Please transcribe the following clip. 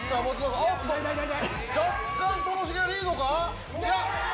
おっと、若干ともしげがリードか？